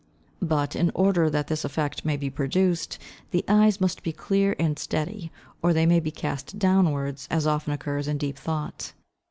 But in order that this effect may be produced, the eyes must be clear and steady, or they may be cast downwards, as often occurs in deep thought.